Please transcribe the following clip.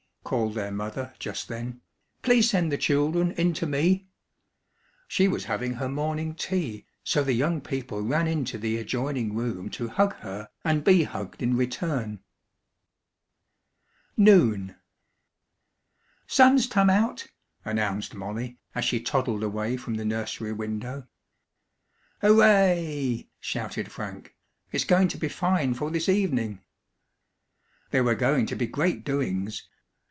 called their mother just then. "Please send the children in to me." She was having her morning tea, so the young people ran into the adjoining room to hug her and be hugged in return. NOON "Sun's tum out!" announced Molly, as she toddled away from the nursery window. "Hooray!" shouted Frank. "It's going to be fine for this evening!" There were going to be great doings.